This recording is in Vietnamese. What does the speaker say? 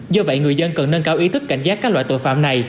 do vậy người dân cần nâng cao ý thức cảnh giác các loại tội phạm này